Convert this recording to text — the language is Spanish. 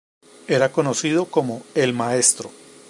Era conocido como "El Maestro".